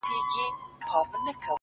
ستا د مينې ستا د عشق له برکته!!